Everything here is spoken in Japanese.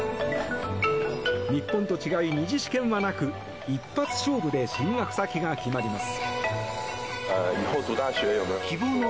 日本と違い、２次試験はなく一発勝負で進学先が決まります。